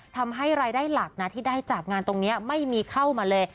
ทำให้รายได้หลักนะที่ได้จากงานตรงนี้ไม่มีเข้ามาเลย